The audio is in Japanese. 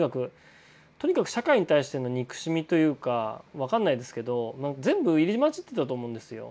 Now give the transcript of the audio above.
とにかく社会に対しての憎しみというか分かんないですけど全部入り交じってたと思うんですよ。